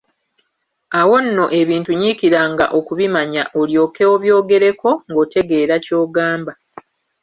Awo nno ebintu nyiikiranga okubimanya olyoke obyogereko ng'otegeera ky'ogamba.